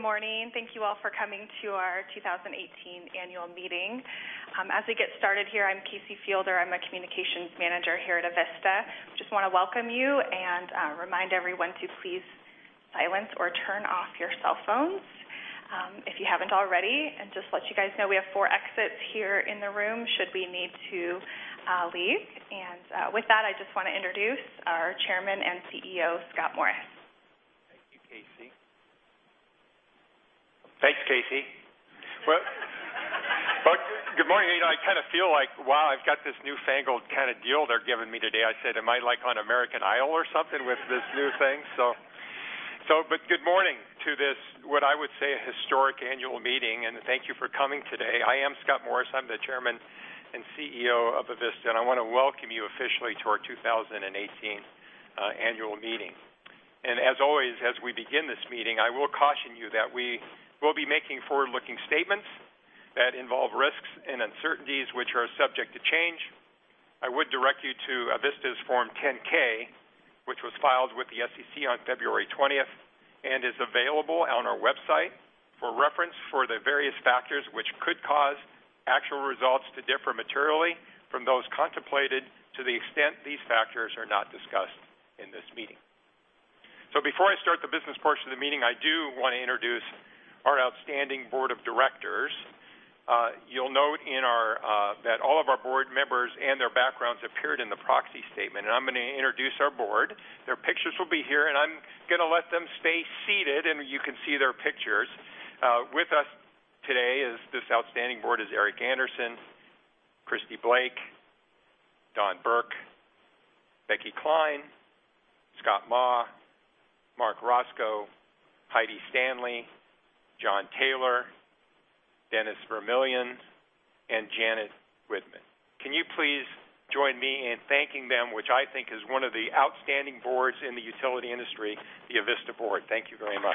Good morning. Thank you all for coming to our 2018 annual meeting. As we get started here, I'm Casey Fielder, I'm a communications manager here at Avista. I want to welcome you and remind everyone to please silence or turn off your cell phones if you haven't already. I want to let you guys know we have four exits here in the room should we need to leave. I want to introduce our chairman and CEO, Scott Morris. Thank you, Casey. Thanks, Casey. Good morning. I kind of feel like, wow, I've got this newfangled kind of deal they're giving me today. I said, "Am I on American Idol or something with this new thing?" Good morning to this, what I would say, a historic annual meeting, and thank you for coming today. I am Scott Morris. I'm the chairman and CEO of Avista. I want to welcome you officially to our 2018 annual meeting. As always, as we begin this meeting, I will caution you that we will be making forward-looking statements that involve risks and uncertainties, which are subject to change. I would direct you to Avista's Form 10-K, which was filed with the SEC on February 20th and is available on our website for reference for the various factors which could cause actual results to differ materially from those contemplated to the extent these factors are not discussed in this meeting. Before I start the business portion of the meeting, I do want to introduce our outstanding board of directors. You'll note that all of our board members and their backgrounds appeared in the proxy statement. I'm going to introduce our board. Their pictures will be here. I'm going to let them stay seated. You can see their pictures. With us today is this outstanding board is Erik Anderson, Kristianne Blake, Don Burke, Becky Klein, Scott Maw, Marc Racicot, Heidi Stanley, John Taylor, Dennis Vermillion, and Janet Widmann. Can you please join me in thanking them, which I think is one of the outstanding boards in the utility industry, the Avista board. Thank you very much.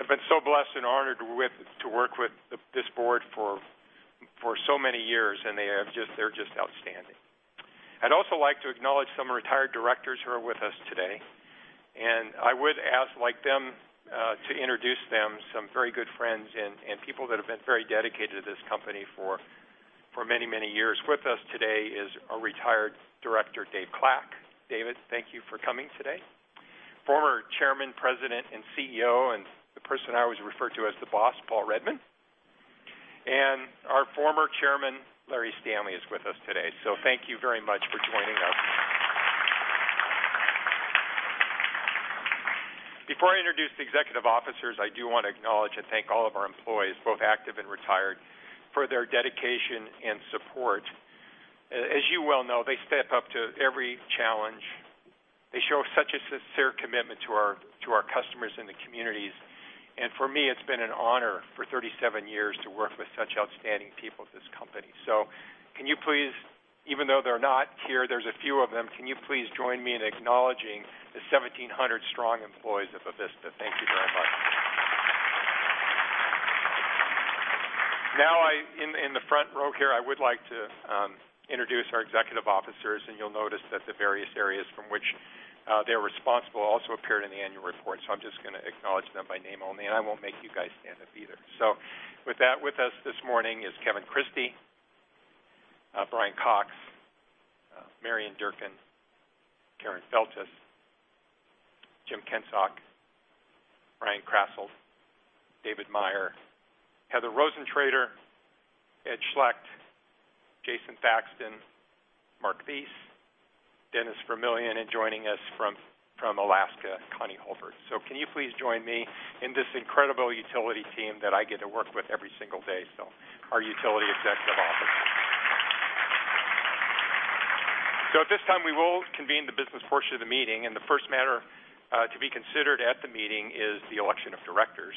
I've been so blessed and honored to work with this board for so many years. They're outstanding. I'd also like to acknowledge some retired directors who are with us today. I would like to introduce them, some very good friends and people that have been very dedicated to this company for many, many years. With us today is a retired director, David Clark. David, thank you for coming today. Former chairman, president, and CEO, and the person I always refer to as the boss, Paul Redmond. Our former chairman, Larry Stanley, is with us today. Thank you very much for joining us. Before I introduce the executive officers, I do want to acknowledge and thank all of our employees, both active and retired, for their dedication and support. As you well know, they step up to every challenge. They show such a sincere commitment to our customers and the communities. For me, it's been an honor for 37 years to work with such outstanding people at this company. Can you please, even though they're not here, there's a few of them, can you please join me in acknowledging the 1,700 strong employees of Avista? Thank you very much. In the front row here, I would like to introduce our executive officers, and you'll notice that the various areas from which they're responsible also appeared in the annual report. I'm just going to acknowledge them by name only, and I won't make you guys stand up either. With that, with us this morning is Kevin Christie, Bryan Cox, Marian Durkin, Karen Feltes, Jim Kensok, Ryan Krasselt, David Meyer, Heather Rosentrater, Ed Schlecht, Jason Thackston, Mark Thies, Dennis Vermillion, and joining us from Alaska, Connie Hulbert. Can you please join me in this incredible utility team that I get to work with every single day? Our utility executive officers. At this time, we will convene the business portion of the meeting, and the first matter to be considered at the meeting is the election of directors.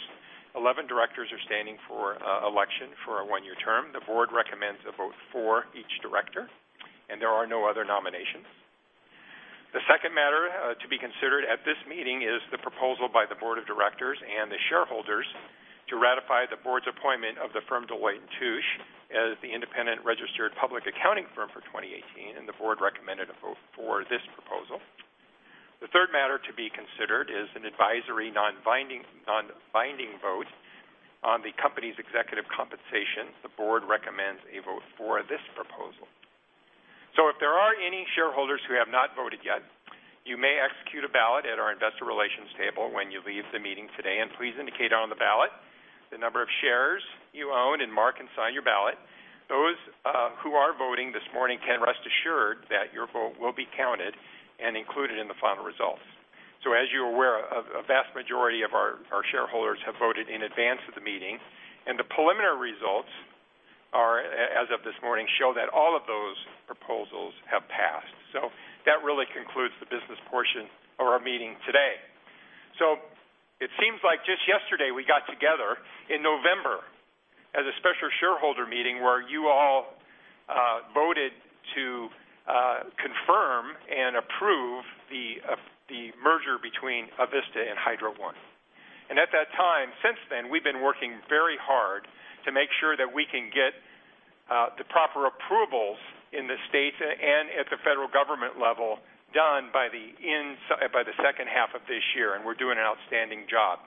11 directors are standing for election for a one-year term. The board recommends a vote for each director, there are no other nominations. The second matter to be considered at this meeting is the proposal by the board of directors and the shareholders to ratify the board's appointment of the firm, Deloitte & Touche, as the independent registered public accounting firm for 2018, the board recommended a vote for this proposal. The third matter to be considered is an advisory, non-binding vote on the company's executive compensation. The board recommends a vote for this proposal. If there are any shareholders who have not voted yet, you may execute a ballot at our investor relations table when you leave the meeting today, please indicate on the ballot the number of shares you own and mark and sign your ballot. Those who are voting this morning can rest assured that your vote will be counted and included in the final results. As you're aware, a vast majority of our shareholders have voted in advance of the meeting, the preliminary results as of this morning show that all of those proposals have passed. That really concludes the business portion of our meeting today. It seems like just yesterday we got together in November as a special shareholder meeting where you all voted to confirm and approve the merger between Avista and Hydro One. At that time, since then, we've been working very hard to make sure that we can get the proper approvals in the states and at the federal government level done by the second half of this year, we're doing an outstanding job.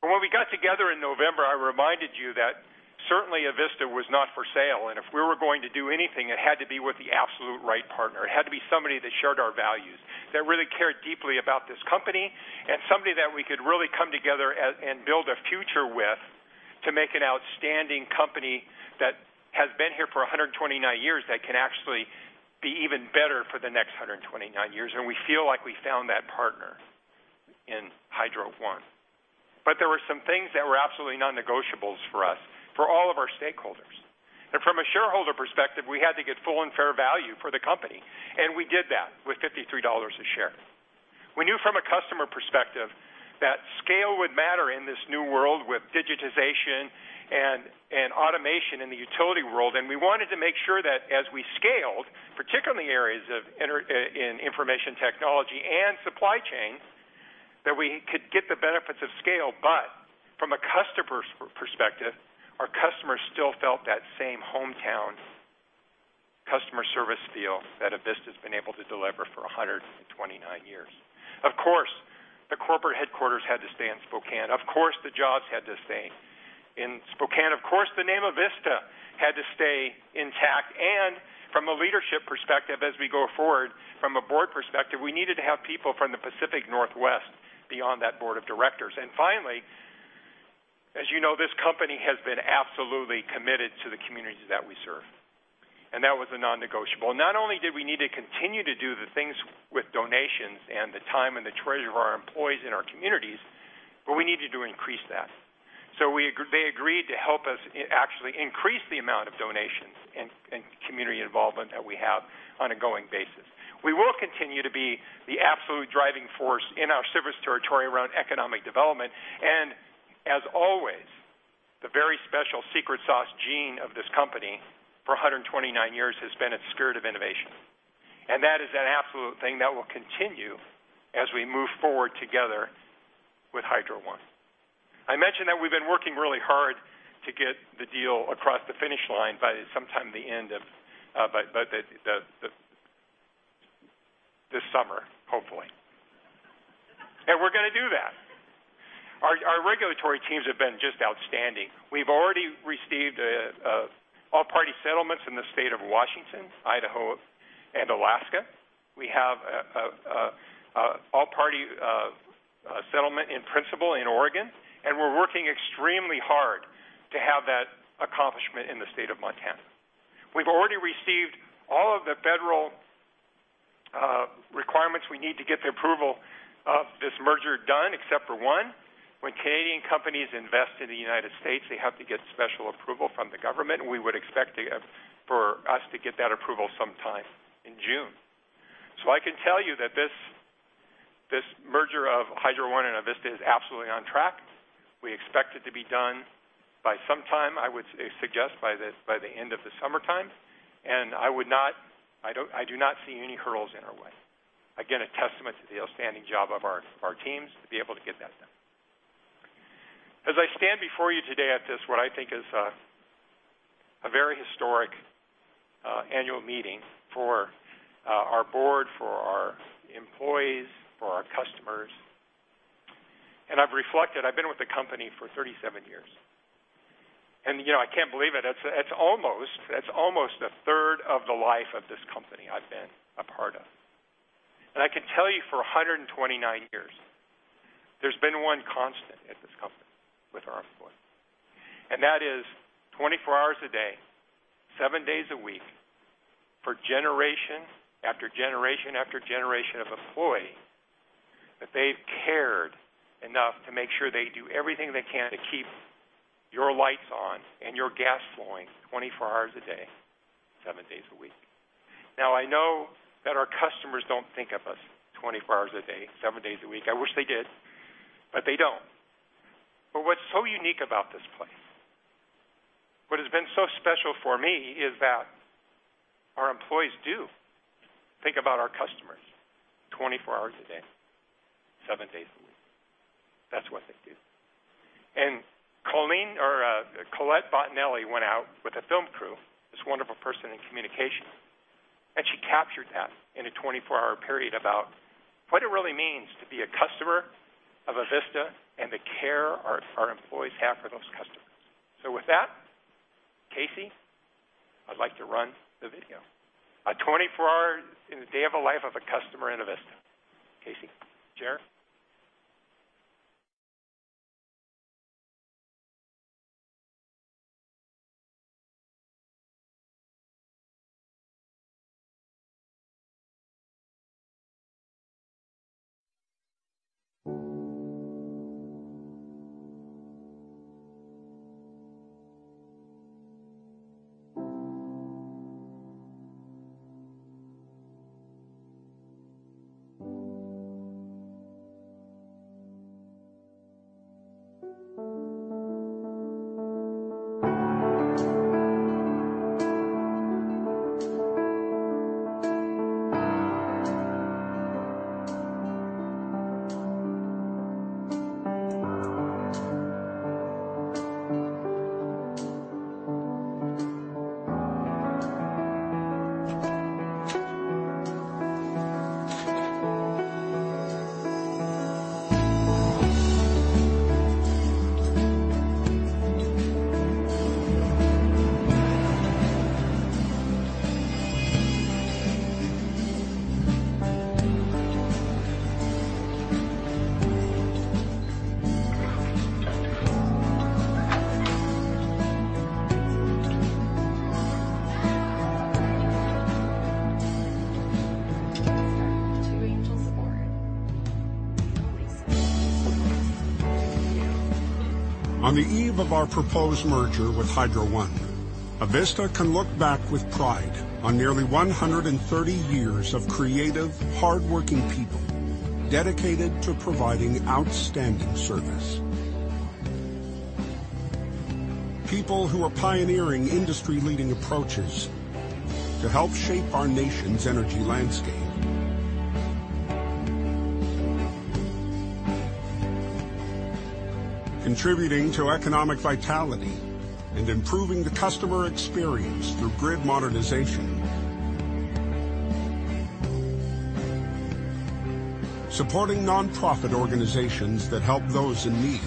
When we got together in November, I reminded you that certainly Avista was not for sale, and if we were going to do anything, it had to be with the absolute right partner. It had to be somebody that shared our values, that really cared deeply about this company, and somebody that we could really come together and build a future with to make an outstanding company that has been here for 129 years that can actually be even better for the next 129 years. We feel like we found that partner in Hydro One. There were some things that were absolutely non-negotiables for us, for all of our stakeholders. From a shareholder perspective, we had to get full and fair value for the company, and we did that with $53 a share. We knew from a customer perspective that scale would matter in this new world with digitization and automation in the utility world. We wanted to make sure that as we scaled, particularly in areas of information technology and supply chain, that we could get the benefits of scale. From a customer's perspective, our customers still felt that same hometown customer service feel that Avista's been able to deliver for 129 years. Of course, the corporate headquarters had to stay in Spokane. Of course, the jobs had to stay in Spokane. Of course, the name Avista had to stay intact. From a leadership perspective, as we go forward, from a board perspective, we needed to have people from the Pacific Northwest be on that board of directors. Finally, as you know, this company has been absolutely committed to the communities that we serve, and that was a non-negotiable. Not only did we need to continue to do the things with donations and the time and the treasure of our employees in our communities, but we needed to increase that. They agreed to help us actually increase the amount of donations and community involvement that we have on a going basis. We will continue to be the absolute driving force in our service territory around economic development. As always, the very special secret sauce gene of this company for 129 years has been its spirit of innovation. That is an absolute thing that will continue as we move forward together with Hydro One. I mentioned that we've been working really hard to get the deal across the finish line by this summer, hopefully. We're going to do that. Our regulatory teams have been just outstanding. We've already received all-party settlements in the state of Washington, Idaho, and Alaska. We have all-party settlement in principle in Oregon, and we're working extremely hard to have that accomplishment in the state of Montana. We've already received all of the federal requirements we need to get the approval of this merger done, except for one. When Canadian companies invest in the United States, they have to get special approval from the government, and we would expect for us to get that approval sometime in June. I can tell you that this merger of Hydro One and Avista is absolutely on track. We expect it to be done by sometime, I would suggest, by the end of the summertime, and I do not see any hurdles in our way. A testament to the outstanding job of our teams to be able to get that done. As I stand before you today at this, what I think is a very historic annual meeting for our board, for our employees, for our customers, I've reflected, I've been with the company for 37 years. I can't believe it. It's almost a third of the life of this company I've been a part of. I can tell you for 129 years, there's been one constant at this company with our employees, and that is 24 hours a day, seven days a week, for generation after generation after generation of employees, that they've cared enough to make sure they do everything they can to keep your lights on and your gas flowing 24 hours a day, seven days a week. I know that our customers don't think of us 24 hours a day, seven days a week. I wish they did, but they don't. What's so unique about this place, what has been so special for me is that our employees do think about our customers 24 hours a day, seven days a week. That's what they do. Colette Bottinelli went out with a film crew, this wonderful person in communication, and she captured that in a 24-hour period about what it really means to be a customer of Avista and the care our employees have for those customers. With that, Casey, I'd like to run the video. A 24-hour day in the life of a customer in Avista. Casey? Jer? On the eve of our proposed merger with Hydro One, Avista can look back with pride on nearly 130 years of creative, hardworking people dedicated to providing outstanding service. People who are pioneering industry-leading approaches to help shape our nation's energy landscape. Contributing to economic vitality and improving the customer experience through grid modernization. Supporting nonprofit organizations that help those in need.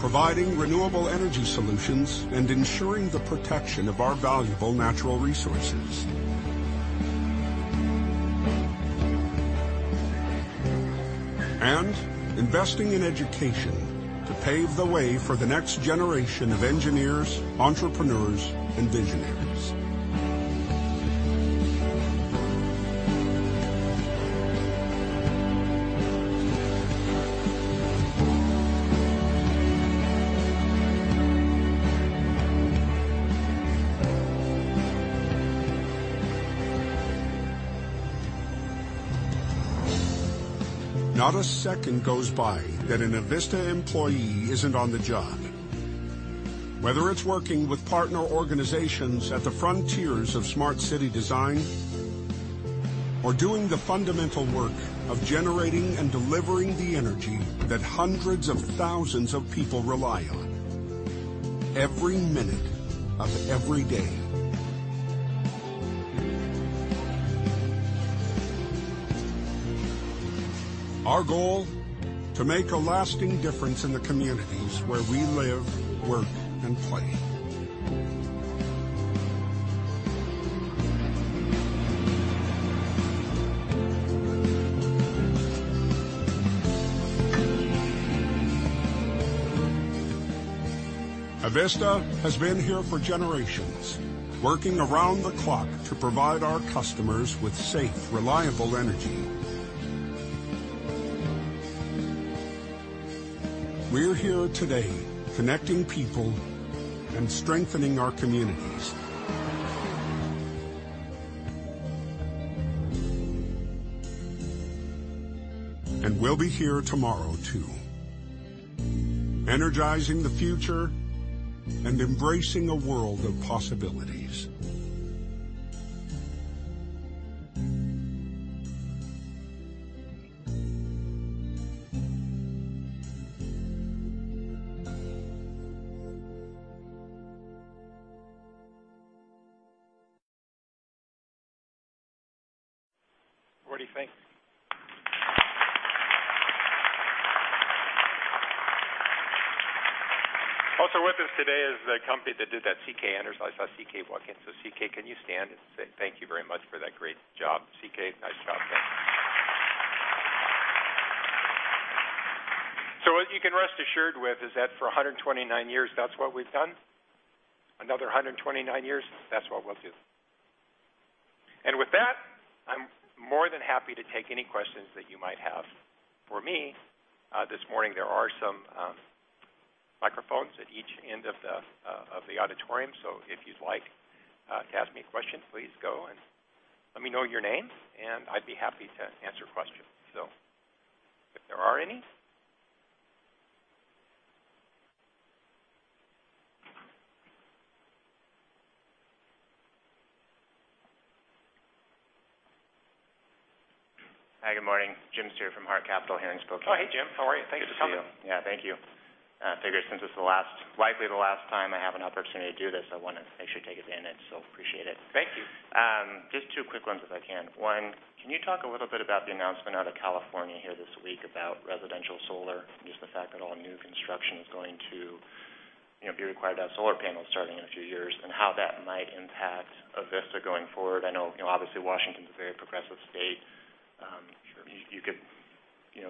Providing renewable energy solutions and ensuring the protection of our valuable natural resources. Investing in education to pave the way for the next generation of engineers, entrepreneurs, and visionaries. Not a second goes by that an Avista employee isn't on the job. Whether it's working with partner organizations at the frontiers of smart city design or doing the fundamental work of generating and delivering the energy that hundreds of thousands of people rely on every minute of every day. Our goal, to make a lasting difference in the communities where we live, work, and play. Avista has been here for generations, working around the clock to provide our customers with safe, reliable energy. We're here today connecting people and strengthening our communities. We'll be here tomorrow, too, energizing the future and embracing a world of possibilities. What do you think? Also with us today is the company that did that CK Anderson. I saw CK walk in. CK, can you stand? Thank you very much for that great job. CK, nice job. Thanks. What you can rest assured with is that for 129 years, that's what we've done. Another 129 years, that's what we'll do. With that, I'm more than happy to take any questions that you might have for me this morning. There are some microphones at each end of the auditorium, if you'd like to ask me a question, please go and let me know your names, and I'd be happy to answer questions. If there are any. Hi, good morning. Jim Steer from Hart Capital, here in Spokane. Hey, Jim. How are you? Thanks for coming. Good to see you. Yeah, thank you. I figure since it's likely the last time I have an opportunity to do this, I want to make sure to take advantage, appreciate it. Thank you. Just two quick ones if I can. One, can you talk a little bit about the announcement out of California here this week about residential solar, just the fact that all new construction is going to be required to have solar panels starting in a few years, and how that might impact Avista going forward? I know obviously Washington's a very progressive state. Sure. You could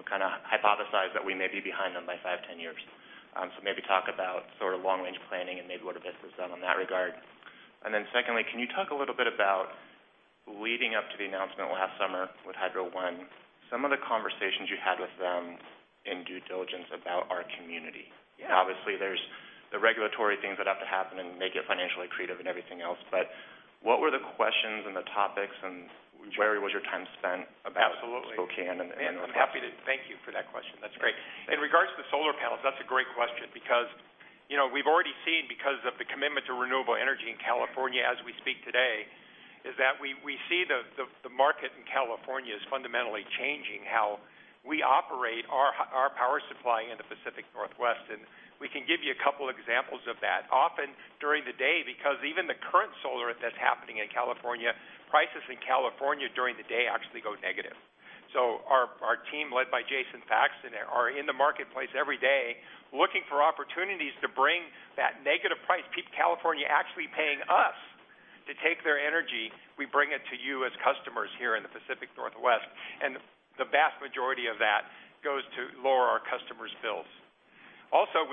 kind of hypothesize that we may be behind them by five, 10 years. Maybe talk about sort of long-range planning and maybe what Avista's done in that regard. Secondly, can you talk a little bit about leading up to the announcement last summer with Hydro One, some of the conversations you had with them in due diligence about our community? Yeah. Obviously, there's the regulatory things that have to happen, and make it financially accretive and everything else. What were the questions and the topics, and where was your time spent about? Absolutely Spokane and those questions? I'm happy to. Thank you for that question. That's great. In regards to the solar panels, that's a great question because we've already seen because of the commitment to renewable energy in California as we speak today, is that we see the market in California is fundamentally changing how we operate our power supply in the Pacific Northwest. We can give you a couple examples of that. Often, during the day, because even the current solar that's happening in California, prices in California during the day actually go negative. Our team, led by Jason Thackston, are in the marketplace every day looking for opportunities to bring that negative price. California actually paying us to take their energy. We bring it to you as customers here in the Pacific Northwest, and the vast majority of that goes to lower our customers' bills.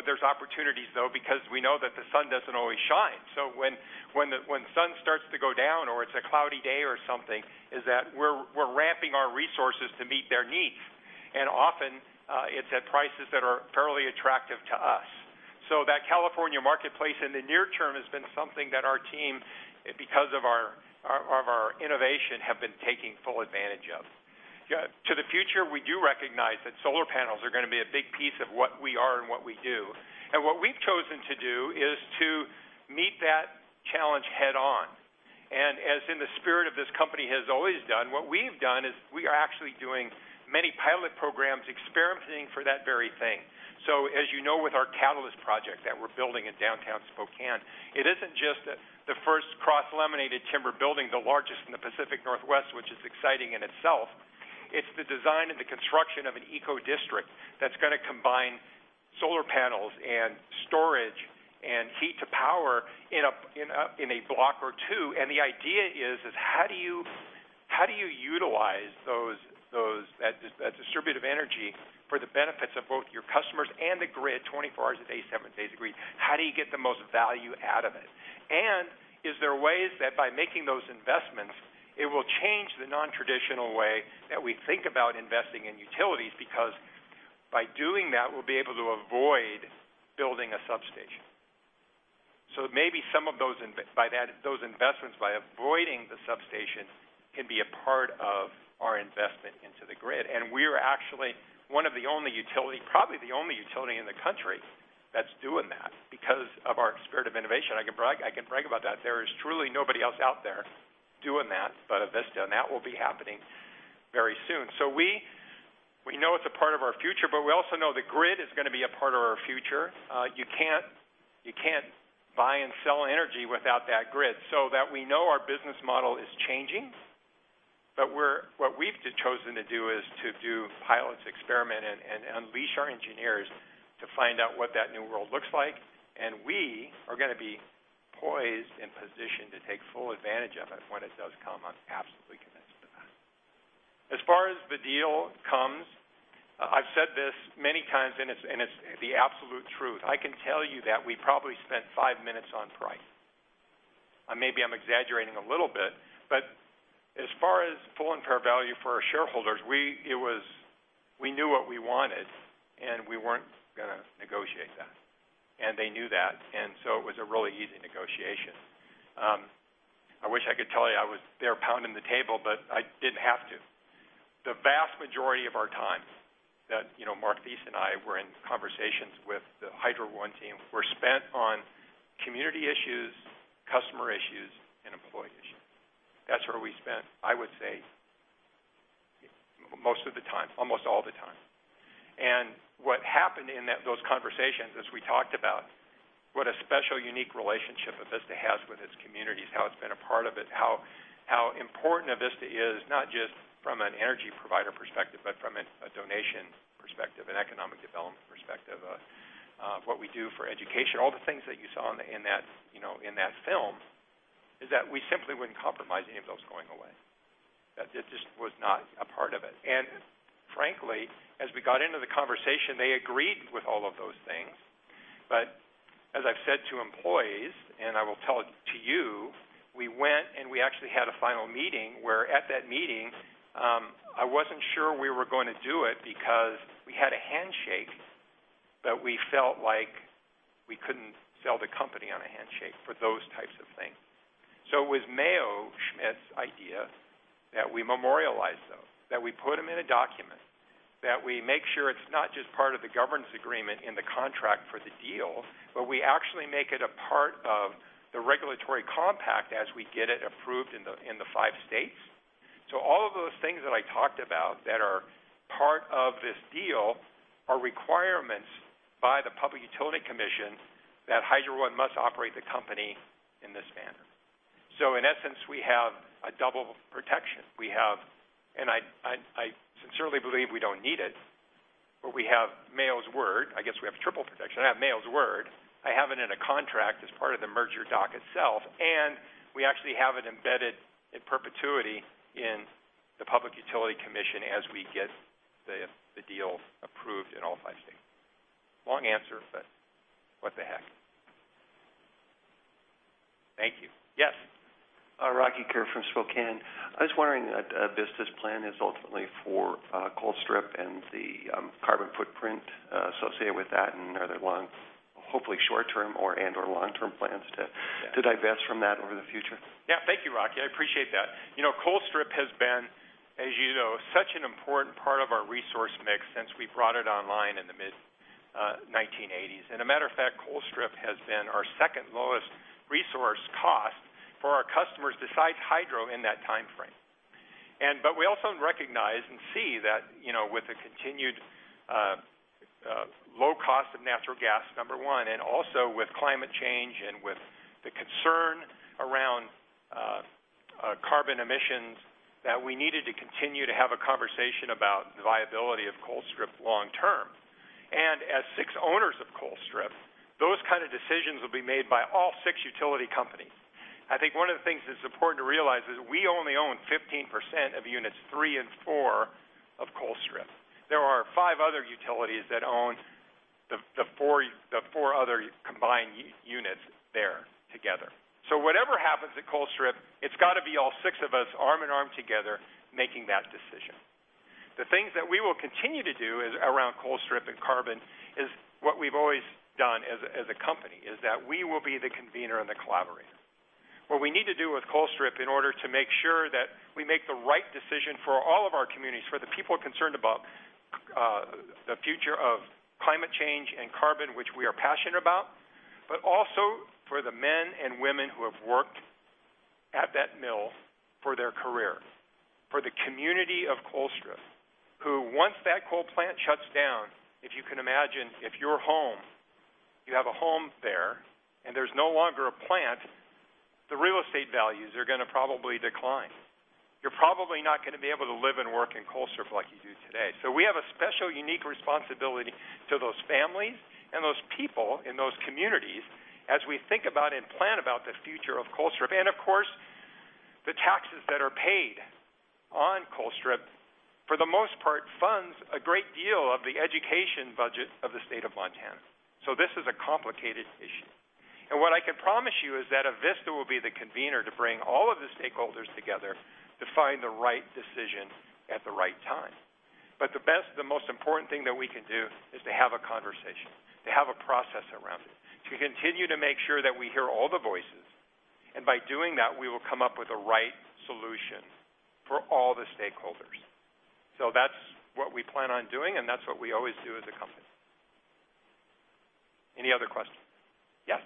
There's opportunities, though, because we know that the sun doesn't always shine. When the sun starts to go down or it's a cloudy day or something, is that we're ramping our resources to meet their needs. Often, it's at prices that are fairly attractive to us. That California marketplace in the near term has been something that our team, because of our innovation, have been taking full advantage of. To the future, we do recognize that solar panels are going to be a big piece of what we are and what we do. What we've chosen to do is to meet that challenge head on. As in the spirit of this company has always done, what we've done is we are actually doing many pilot programs, experimenting for that very thing. As you know, with our Catalyst project that we're building in downtown Spokane, it isn't just the first cross-laminated timber building, the largest in the Pacific Northwest, which is exciting in itself. It's the design and the construction of an EcoDistrict that's going to combine solar panels and storage and heat to power in a block or two. The idea is, how do you utilize that distributed energy for the benefits of both your customers and the grid 24 hours a day, seven days a week? How do you get the most value out of it? Is there ways that by making those investments, it will change the non-traditional way that we think about investing in utilities, because by doing that, we'll be able to avoid building a substation. Maybe some of those investments, by avoiding the substation, can be a part of our investment into the grid. We're actually one of the only utility, probably the only utility in the country, that's doing that because of our spirit of innovation. I can brag about that. There is truly nobody else out there doing that but Avista, and that will be happening very soon. We know it's a part of our future, but we also know the grid is going to be a part of our future. You can't buy and sell energy without that grid. That we know our business model is changing, but what we've chosen to do is to do pilots, experiment, and unleash our engineers to find out what that new world looks like. We are going to be poised and positioned to take full advantage of it when it does come. I'm absolutely convinced of that. As far as the deal comes, I've said this many times, and it's the absolute truth. I can tell you that we probably spent five minutes on price. Maybe I'm exaggerating a little bit, but as far as full and fair value for our shareholders, we knew what we wanted, and we weren't going to negotiate that. They knew that, it was a really easy negotiation. I wish I could tell you I was there pounding the table, but I didn't have to. The vast majority of our time that Mark Thies and I were in conversations with the Hydro One team were spent on community issues, customer issues, and employee issues. That's where we spent, I would say, most of the time, almost all the time. What happened in those conversations is we talked about what a special, unique relationship Avista has with its communities, how it's been a part of it. How important Avista is, not just from an energy provider perspective, but from a donation perspective, an economic development perspective, of what we do for education. All the things that you saw in that film, is that we simply wouldn't compromise any of those going away. That just was not a part of it. Frankly, as we got into the conversation, they agreed with all of those things. As I've said to employees, and I will tell it to you, we went and we actually had a final meeting where at that meeting, I wasn't sure we were going to do it because we had a handshake, but we felt like we couldn't sell the company on a handshake for those types of things. It was Mayo Schmidt's idea that we memorialize those, that we put them in a document, that we make sure it's not just part of the governance agreement in the contract for the deal, but we actually make it a part of the regulatory compact as we get it approved in the five states. All of those things that I talked about that are part of this deal are requirements by the Public Utility Commission that Hydro One must operate the company in this manner. In essence, we have a double protection. We have, and I sincerely believe we don't need it, but we have Mayo's word. I guess we have triple protection. I have Mayo's word, I have it in a contract as part of the merger doc itself, and we actually have it embedded in perpetuity in the Public Utility Commission as we get the deal approved in all five states. Long answer, but what the heck. Thank you. Yes. Rocky Kerr from Spokane. I was wondering, Avista's plan is ultimately for Colstrip and the carbon footprint associated with that, and are there long- hopefully short-term or, and/or long-term plans to- Yeah to divest from that over the future? Yeah. Thank you, Rocky. I appreciate that. Colstrip has been, as you know, such an important part of our resource mix since we brought it online in the mid-1980s. A matter of fact, Colstrip has been our second lowest resource cost for our customers, besides hydro, in that timeframe. We also recognize and see that, with the continued low cost of natural gas, number one, and also with climate change and with the concern around carbon emissions, that we needed to continue to have a conversation about the viability of Colstrip long-term. As six owners of Colstrip, those kind of decisions will be made by all six utility companies. I think one of the things that's important to realize is we only own 15% of units three and four of Colstrip. There are five other utilities that own the four other combined units there together. Whatever happens at Colstrip, it's got to be all six of us arm in arm together making that decision. The things that we will continue to do around Colstrip and carbon is what we've always done as a company, is that we will be the convener and the collaborator. What we need to do with Colstrip in order to make sure that we make the right decision for all of our communities, for the people concerned about the future of climate change and carbon, which we are passionate about, but also for the men and women who have worked at that mill for their career. For the community of Colstrip, who once that coal plant shuts down, if you can imagine, if your home, you have a home there, and there's no longer a plant, the real estate values are going to probably decline. You're probably not going to be able to live and work in Colstrip like you do today. We have a special, unique responsibility to those families and those people in those communities as we think about and plan about the future of Colstrip. Of course, the taxes that are paid on Colstrip, for the most part, funds a great deal of the education budget of the state of Montana. This is a complicated issue. What I can promise you is that Avista will be the convener to bring all of the stakeholders together to find the right decision at the right time. The best, the most important thing that we can do is to have a conversation, to have a process around it. To continue to make sure that we hear all the voices. By doing that, we will come up with the right solution for all the stakeholders. That's what we plan on doing, and that's what we always do as a company. Any other questions? Yes.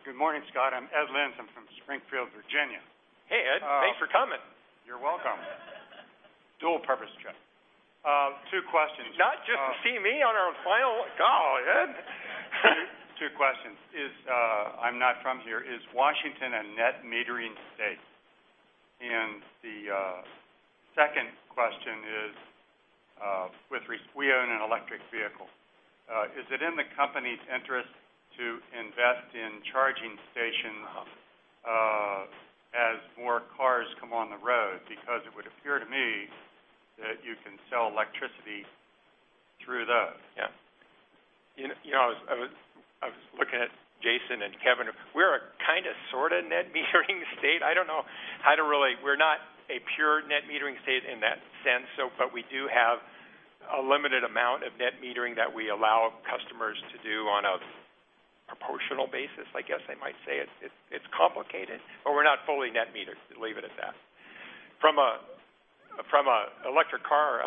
Good morning, Scott. I'm Ed Lins. I'm from Springfield, Virginia. Hey, Ed. Thanks for coming. You're welcome. Dual purpose trip. Two questions. Not just to see me on our final Golly, Ed. Two questions. I'm not from here. Is Washington a net metering state? The second question is, we own an electric vehicle. Is it in the company's interest to invest in charging stations- as more cars come on the road? It would appear to me that you can sell electricity through those. Yeah. I was looking at Jason and Kevin. We're a kind of sort of net metering state. I don't know. We're not a pure net metering state in that sense, we do have a limited amount of net metering that we allow customers to do on a proportional basis, I guess I might say. It's complicated, we're not fully net metering. Leave it at that. From an electric car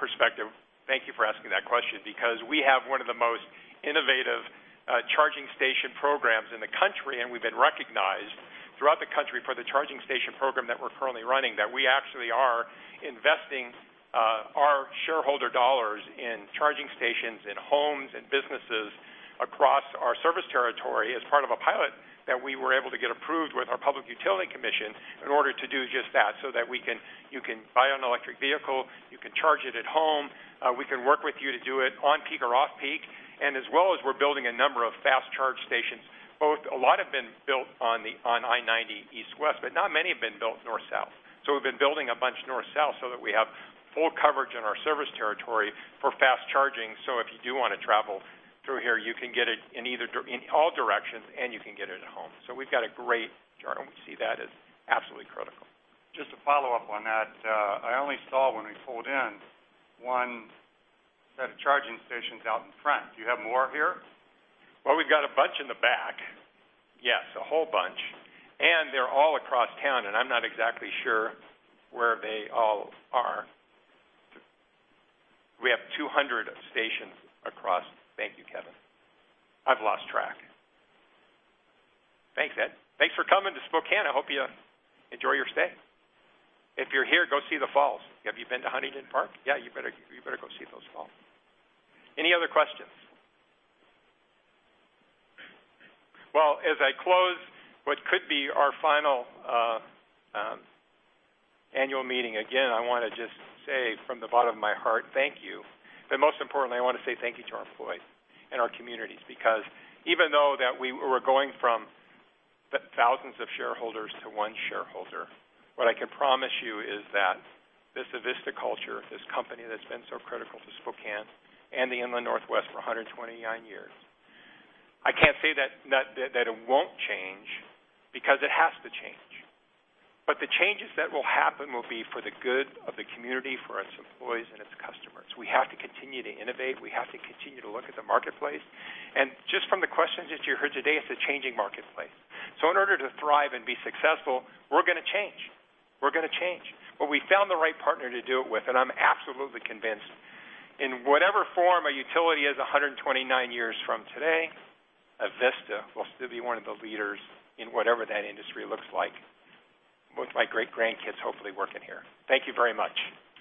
perspective, thank you for asking that question because we have one of the most innovative charging station programs in the country, and we've been recognized throughout the country for the charging station program that we're currently running. We actually are investing our shareholder dollars in charging stations in homes and businesses across our service territory as part of a pilot that we were able to get approved with our Public Utility Commission in order to do just that, so that you can buy an electric vehicle, you can charge it at home. We can work with you to do it on peak or off peak. As well as we're building a number of fast charge stations, both a lot have been built on I-90 East-West, but not many have been built North-South. We've been building a bunch North-South so that we have full coverage in our service territory for fast charging. If you do want to travel through here, you can get it in all directions, and you can get it at home. We've got a great charge, we see that as absolutely critical. Just to follow up on that. I only saw, when we pulled in, one set of charging stations out in front. Do you have more here? Well, we've got a bunch in the back. Yes, a whole bunch. They're all across town, and I'm not exactly sure where they all are. We have 200 stations across Thank you, Kevin. I've lost track. Thanks, Ed. Thanks for coming to Spokane. I hope you enjoy your stay. If you're here, go see the falls. Have you been to Huntington Park? Yeah, you better go see those falls. Any other questions? Well, as I close what could be our final annual meeting, again, I want to just say from the bottom of my heart, thank you. Most importantly, I want to say thank you to our employees and our communities, because even though that we were going from thousands of shareholders to one shareholder, what I can promise you is that this Avista culture, this company that's been so critical to Spokane and the Inland Northwest for 129 years, I can't say that it won't change because it has to change. The changes that will happen will be for the good of the community, for us employees, and its customers. We have to continue to innovate. We have to continue to look at the marketplace. Just from the questions that you heard today, it's a changing marketplace. In order to thrive and be successful, we're going to change. We're going to change. We found the right partner to do it with, I'm absolutely convinced in whatever form a utility is 129 years from today, Avista will still be one of the leaders in whatever that industry looks like, with my great-grandkids hopefully working here. Thank you very much.